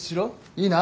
いいな。